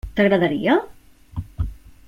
T'agradaria?